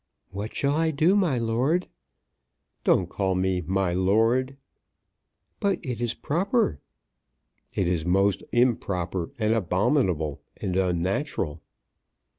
"What shall I do, my lord?" "Don't call me, 'my lord.'" "But it is proper." "It is most improper, and abominable, and unnatural."